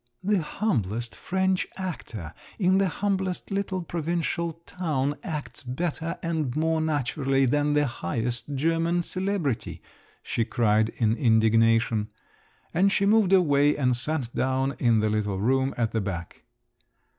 "The humblest French actor in the humblest little provincial town acts better and more naturally than the highest German celebrity," she cried in indignation; and she moved away and sat down in the little room at the back.